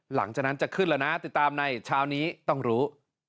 หลังจากนั้นจะขึ้นแล้วนะติดตามในเช้านี้ต้องรู้